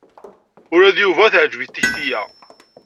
Ula d Yuba teɛjeb-it tekti-a.